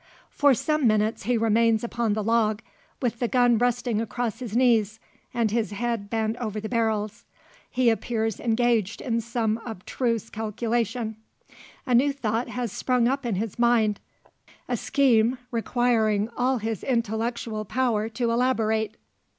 For some minutes he remains upon the log, with the gun resting across his knees, and his head bent over the barrels. He appears engaged in some abstruse calculation. A new thought has sprang up in his mind a scheme requiring all his intellectual power to elaborate.